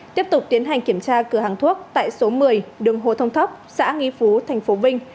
tiếp tục tiến hành kiểm tra cửa hàng thuốc tại số một mươi đường hồ thông thóc xã nghi phú tp vinh